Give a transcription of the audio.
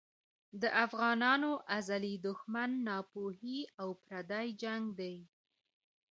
د افغانانو ازلي دښمن ناپوهي او پردی جنګ دی.